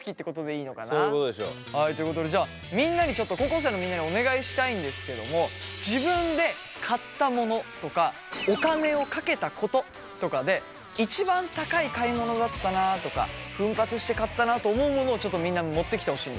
そういうことでしょう。ということでじゃあちょっと高校生のみんなにお願いしたいんですけども自分で買ったものとかお金をかけたこととかで一番高い買い物だったなとか奮発して買ったなと思うものをみんな持ってきてほしいんですよ。